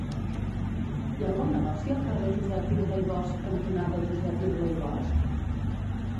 Hi ha algun negoci al carrer Josep Irla i Bosch cantonada Josep Irla i Bosch?